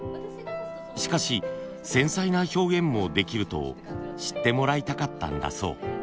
しかし繊細な表現もできると知ってもらいたかったんだそう。